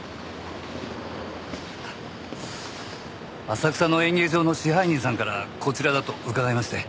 浅草の演芸場の支配人さんからこちらだと伺いまして。